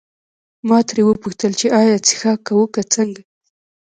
ما ترې وپوښتل چې ایا څښاک کوو که څنګه.